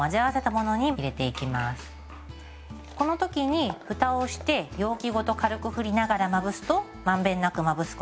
この時に蓋をして容器ごと軽く振りながらまぶすと満遍なくまぶすことができます。